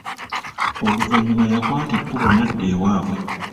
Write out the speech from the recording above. Oluvannyuma yakwata ekubo n'adda ewaabwe.